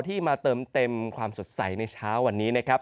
ที่มาเติมเต็มความสดใสในเช้าวันนี้นะครับ